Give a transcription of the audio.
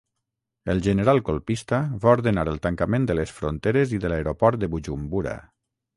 El general colpista va ordenar el tancament de les fronteres i de l'aeroport de Bujumbura.